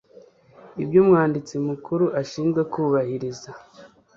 ibyo umwanditsi mukuru ashinzwe kubahiriza